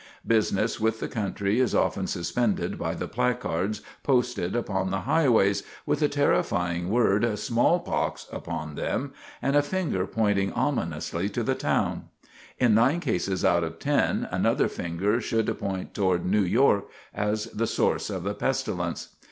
Business with the country is often suspended by the placards posted upon the highways, with the terrifying word "Smallpox" upon them, and a finger pointing ominously to the town. In nine cases out of ten, another finger should point toward New York, as the source of the pestilence.